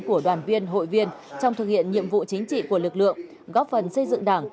của đoàn viên hội viên trong thực hiện nhiệm vụ chính trị của lực lượng góp phần xây dựng đảng